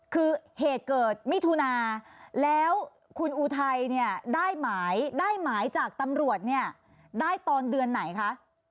คือเหตุเกิดมิถุนาแล้วคุณอุทัยเนี่ยได้หมายได้หมายจากตำรวจเนี่ยได้ตอนเดือนไหนคะ